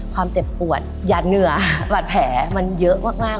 ความเจ็บปวดหยาดเหงื่อบาดแผลมันเยอะมาก